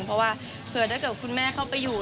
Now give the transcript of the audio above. เพราะว่าเผื่อถ้าเกิดคุณแม่เข้าไปอยู่